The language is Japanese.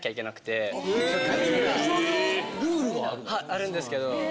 あるんですけど。